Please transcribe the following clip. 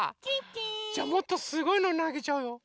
じゃあもっとすごいのなげちゃうよ。